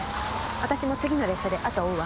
私も次の列車であとを追うわ。